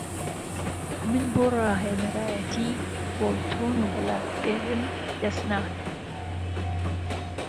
من بۆ راهێنهرایهتی بۆڵتۆن و بلاکبێرن دهستنادهم